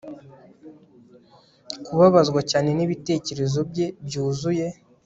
kubabazwa cyane n'ibitekerezo bye byuzuye